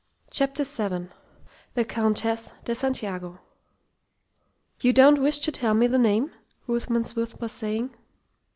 CHAPTER VII THE COUNTESS DE SANTIAGO "You don't wish to tell me the name?" Ruthven Smith was saying.